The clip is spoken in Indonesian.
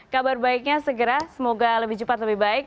kabar baiknya segera semoga lebih cepat lebih baik